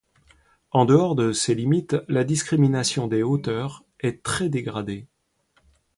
En dehors de ces limites, la discrimination des hauteurs est très dégradée.